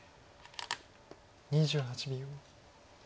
２８秒。